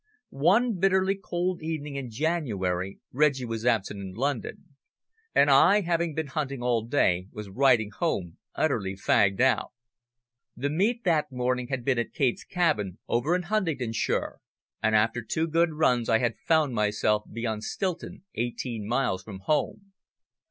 One bitterly cold evening in January Reggie was absent in London, and I, having been hunting all day, was riding home utterly fagged out. The meet that morning had been at Kate's Cabin, over in Huntingdonshire, and after two good runs I had found myself beyond Stilton, eighteen miles from home.